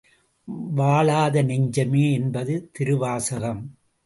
வாழாத நெஞ்சமே! என்பது திருவாசகம்.